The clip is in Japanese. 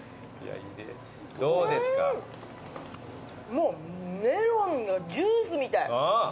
もうメロンがジュースみたい。